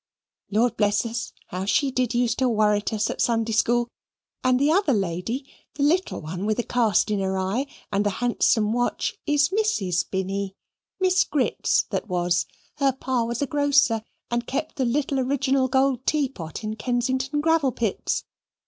Lord bless us, how she did use to worret us at Sunday school; and the other lady, the little one with a cast in her eye and the handsome watch, is Mrs. Binny Miss Grits that was; her pa was a grocer, and kept the Little Original Gold Tea Pot in Kensington Gravel Pits.